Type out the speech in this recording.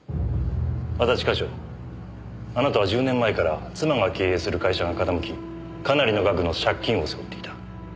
安達課長あなたは１０年前から妻が経営する会社が傾きかなりの額の借金を背負っていた。